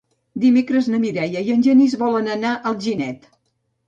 Dimecres na Mireia i en Genís volen anar a Alginet.